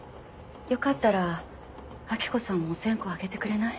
よかったら明子さんもお線香あげてくれない？